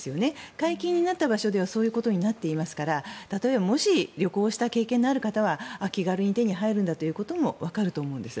解禁になった場所ではそういうことになっていますから旅行した経験のある方は気軽に手に入ることもわかると思うんです。